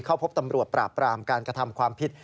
เข้าพบตำรวจปราบปรามการกระทำความผิด